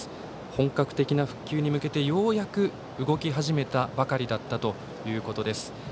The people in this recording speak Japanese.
本格的な復旧に向けてようやく動き始めたばかりだったということです。